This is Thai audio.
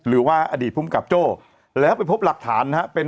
หรือว่าอดีตภูมิกับโจ้แล้วไปพบหลักฐานนะฮะเป็น